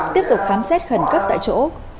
tiếp tục khám xét khẩn cấp tại chỗ